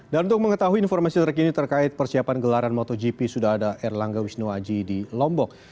dan untuk mengetahui informasi terkini terkait persiapan gelaran motogp sudah ada erlangga wisnuwaji di lombok